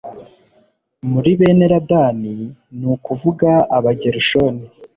muri bene ladani ni ukuvuga abagerushoni